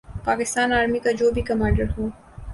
Pakistan army کا جو بھی کمانڈر ہو۔